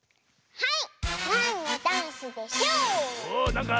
はい！